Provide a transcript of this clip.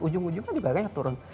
ujung ujungnya juga kayaknya turun